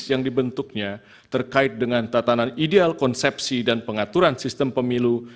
yang dibentuknya terkait dengan tatanan ideal konsepsi dan pengaturan sistem pemilu